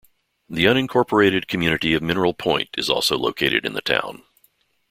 The unincorporated community of Mineral Point is also located in the town.